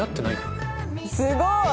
すごい！